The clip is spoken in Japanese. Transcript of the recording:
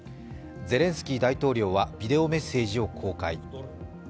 ゼレンスキー大統領はビデオメッセージを公開。